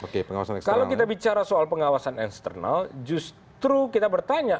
kalau kita bicara soal pengawasan eksternal justru kita bertanya